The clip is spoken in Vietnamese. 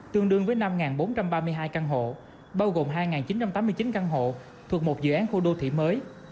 tương đương với năm bốn trăm ba mươi hai căn hộ bao gồm hai chín trăm tám mươi chín căn hộ thuộc một dự án khu đô thị mới